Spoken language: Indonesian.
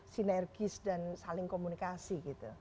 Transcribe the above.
sinergis dan saling komunikasi